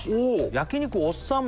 焼肉おっさん